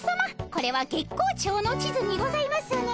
これは月光町の地図にございますね？